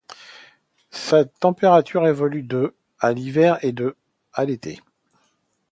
Sa température évolue de à l'hiver et de à l'été.